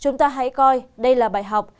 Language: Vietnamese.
chúng ta hãy coi đây là bài học